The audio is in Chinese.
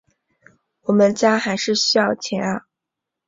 我们家还是需要钱啊